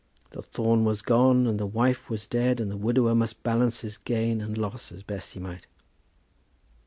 The thorn was gone, and the wife was dead, and the widower must balance his gain and loss as best he might.